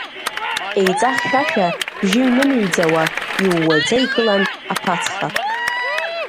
Еиҵахьшәашәа, бжьы ҩнымыҩӡауа, иууаӡа игылан аԥацха.